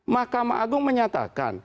mahkamah agung menyatakan